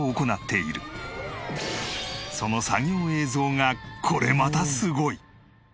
その作業映像がこれまたすごい！